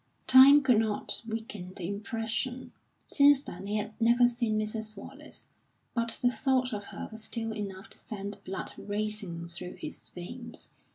Time could not weaken the impression. Since then he had never seen Mrs. Wallace, but the thought of her was still enough to send the blood racing through his veins.